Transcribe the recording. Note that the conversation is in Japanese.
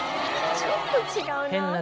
ちょっと違うな。